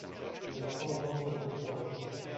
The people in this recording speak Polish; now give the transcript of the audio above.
"Nie zapomnę tego wzroku!"